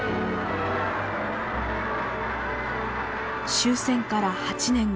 終戦から８年後。